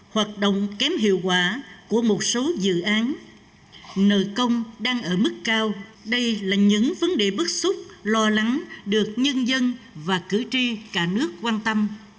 hoạt động kém hiệu quả của một số dự án nợ công đang ở mức cao đây là những vấn đề bức xúc lo lắng được nhân dân và cử tri cả nước quan tâm